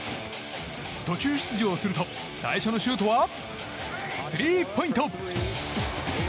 途中出場すると、最初のシュートはスリーポイント。